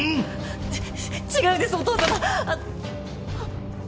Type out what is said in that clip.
ち違うんですお父さま。